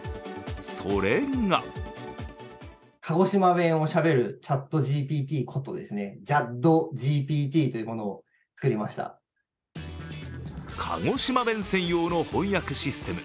それが鹿児島弁専用の翻訳システム